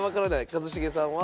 一茂さんは？